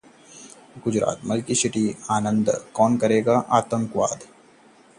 Gujarat: milk city Anand लोकसभा में इस बार कौन करेगा क्रांति